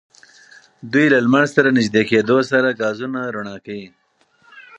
دوی له لمر سره نژدې کېدو سره ګازونه رڼا کوي.